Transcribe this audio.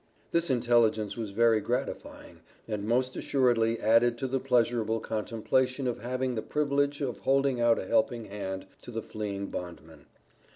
This intelligence was very gratifying, and most assuredly added to the pleasurable contemplation of having the privilege of holding out a helping hand to the fleeing bondman.